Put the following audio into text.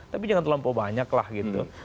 tapi jangan terlampau banyak lah gitu